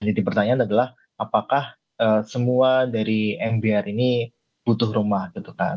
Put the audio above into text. pertanyaan adalah apakah semua dari mbr ini butuh rumah gitu kan